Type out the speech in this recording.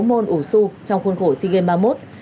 môn ủ xu trong khuôn khổ sea games ba mươi một